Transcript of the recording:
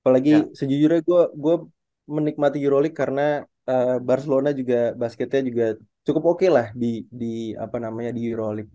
apalagi sejujurnya gue menikmati euroleague karena barcelona juga basketnya cukup oke lah di euroleague